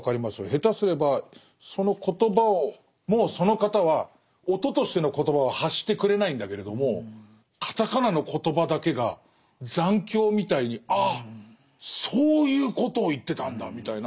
下手すればそのコトバをもうその方は音としての言葉は発してくれないんだけれどもカタカナのコトバだけが残響みたいにああそういうことを言ってたんだみたいな。